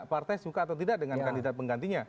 partai suka atau tidak dengan kandidat penggantinya